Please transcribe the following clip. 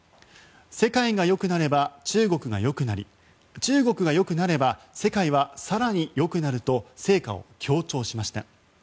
世界が良くなれば中国が良くなり中国が良くなれば世界は更に良くなると成果を強調しました。